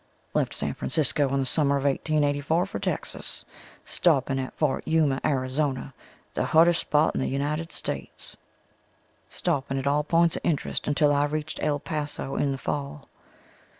Left San Francisco in the summer of 1884 for Texas, stopping at Fort Yuma, Arizona, the hottest spot in the United States. Stopping at all points of interest until I reached El Paso in the fall.